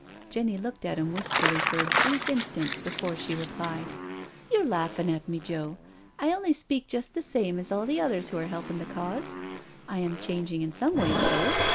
Jenny looked at him wistfully for a brief instant before she replied: " You're laughing at me, Joe. I only speak just the same as all the others who are helpin' the Cause. I am changed in some ways though.